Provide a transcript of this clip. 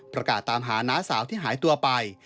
ประกาศตามหาน้าสาวที่หายตัวไป